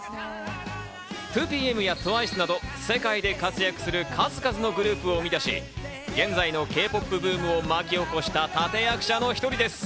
２ＰＭやＴＷＩＣＥなど、世界で活躍する数々のグループを生み出し、現在のＫ−ＰＯＰブームを巻き起こした立て役者の一人です。